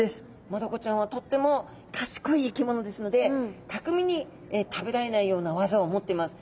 マダコちゃんはとっても賢い生き物ですのでたくみに食べられないような技を持ってます。